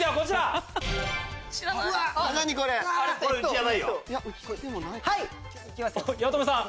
おっ八乙女さん。